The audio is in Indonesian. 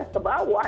tiga belas ke bawah